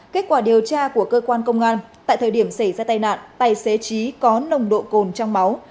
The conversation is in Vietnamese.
kết quả điều tra của cơ quan công an tại thời điểm xảy ra tai nạn tài xế trí có nồng độ cồn trong máu